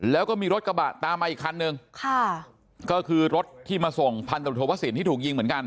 แล้วก็มีรถกระบะตามมาอีกคันนึงค่ะก็คือรถที่มาส่งพันธุวสินที่ถูกยิงเหมือนกัน